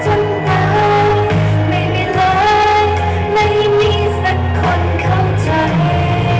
จนท้านไม่มีรายไม่นี่สักคนเข้าใจ